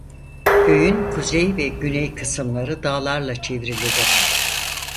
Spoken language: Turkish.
Köyün kuzey ve güney kısımları dağlarla çevrilidir.